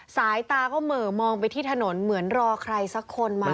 สายตาก็เหม่อมองไปที่ถนนเหมือนรอใครสักคนมา